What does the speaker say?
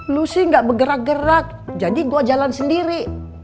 lu sih gak bergerak gerak jadi gua jalan sendiri